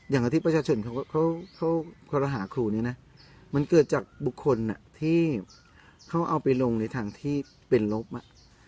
อย่างที่ประชาชนเขาคอรหาครูนี้นะมันเกิดจากบุคคลที่เขาเอาไปลงในทางที่เป็นลบอ่ะ